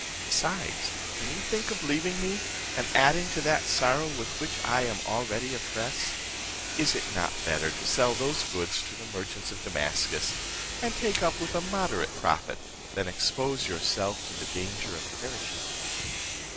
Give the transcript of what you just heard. Besides, can you think of leaving me, and adding to that sorrow with which I am already oppressed? Is it not better to sell those goods to the merchants of Damascus, and take up with a moderate profit, than expose yourself to the danger of perishing?"